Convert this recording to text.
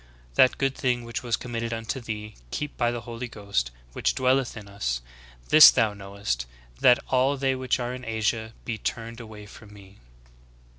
That good thing which was committed unto thee keep by the Holy Ghost, which dwelleth in us. This thou knowest, that all they ivhich are in Asia he turned ais^H^ from me."